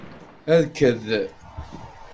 Rked.